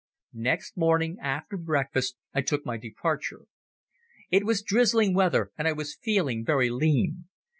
Next morning after breakfast I took my departure. It was drizzling weather, and I was feeling very lean.